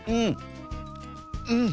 うん！